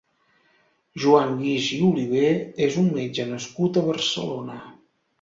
Joan Guix i Oliver és un metge nascut a Barcelona.